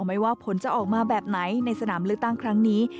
ไม่ว่าผลจะออกมาแบบไหนในสนามเลือกตั้งครั้งนี้